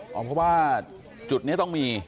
เพราะว่าจุดนี้ต้องมี